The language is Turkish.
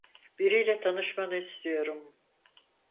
Biriyle tanışmanı istiyorum.